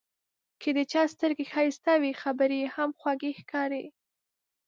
که د چا سترګې ښایسته وي، خبرې یې هم خوږې ښکاري.